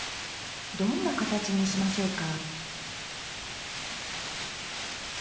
どんな形にしましょうか。